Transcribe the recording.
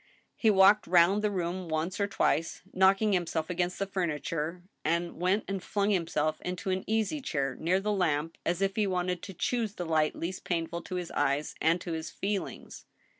He walked round the room once or twice, knocking himself against the furniture, and went and flung himself into an easy chair II 1 62 THE STEEL HAMMER, near the lamp, as if he wanted to choose the light least painful to his eyes and to his feelings.